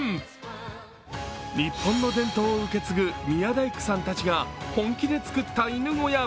日本の伝統を受け継ぐ宮大工さんたちが本気で作った犬小屋。